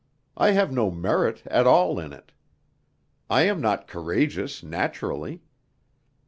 I have no merit at all in it. I am not courageous naturally.